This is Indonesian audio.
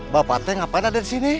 bapak teng ngapain ada disini